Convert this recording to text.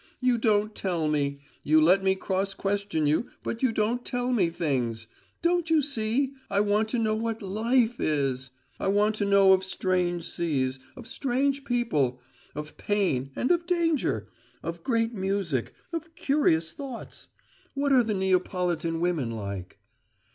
"You don't tell me. You let me cross question you, but you don't tell me things! Don't you see? I want to know what life is! I want to know of strange seas, of strange people, of pain and of danger, of great music, of curious thoughts! What are the Neapolitan women like?"